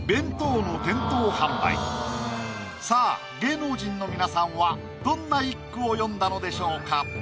さあ芸能人の皆さんはどんな一句を詠んだのでしょうか？